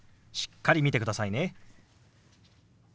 しっかり見てくださいね。